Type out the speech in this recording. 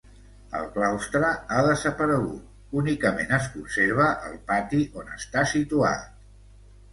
El claustre ha desaparegut, únicament es conserva el pati on està situat.